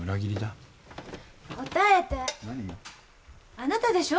あなたでしょ？